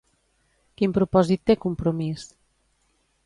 Quin propòsit té Compromís?